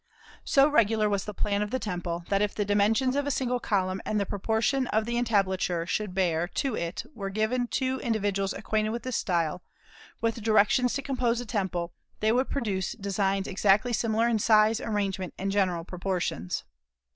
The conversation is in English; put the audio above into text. "So regular was the plan of the temple, that if the dimensions of a single column and the proportion the entablature should bear to it were given to two individuals acquainted with this style, with directions to compose a temple, they would produce designs exactly similar in size, arrangement, and general proportions."